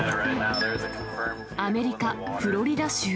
アメリカ・フロリダ州。